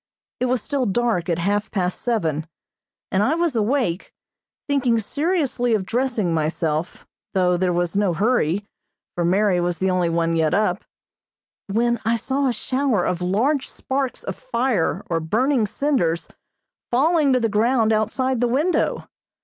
It was still dark at half past seven and I was awake, thinking seriously of dressing myself, though there was no hurry, for Mary was the only one yet up, when I saw a shower of large sparks of fire or burning cinders falling to the ground outside the window.